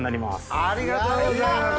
ありがとうございます。